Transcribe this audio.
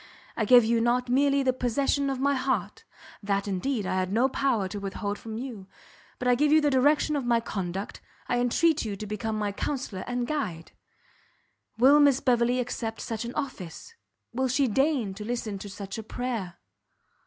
I give you not merely the possession of my heart, that, indeed, I had no power to withhold from you, but I give you the direction of my conduct, I entreat you to become my counsellor and guide. Will Miss Beverley accept such an office? Will she deign to listen to such a prayer?"